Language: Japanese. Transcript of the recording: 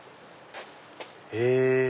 へぇ。